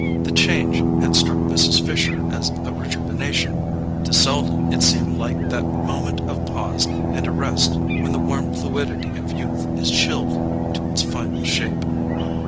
The change had struck Mrs. Fisher as a rejuvenation: to Selden it seemed like that moment of pause and arrest when the warm fluidity of youth is chilled into its final shape.